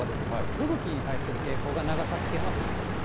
吹雪に対する警報が、長崎県は出てます。